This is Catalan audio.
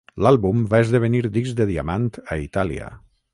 L'àlbum va esdevenir disc de diamant a Itàlia.